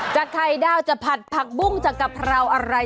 ไข่ดาวจะผัดผักบุ้งจากกะเพราอะไร